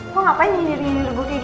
kok ngapain nyirir nyir gue kayak gitu